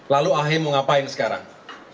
lalu ahy mau ngapain sekarang